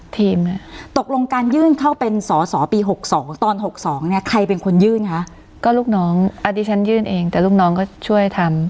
ตกลงการยื่นเข้าเป็นสอสอปี๖๒ตอน๖๒เนี่ยใครเป็นคนยื่นคะก็ลูกน้องอันนี้ฉันยื่นเองแต่ลูกน้องก็ช่วยทำ